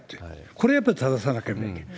これはやはり正さなければいけない。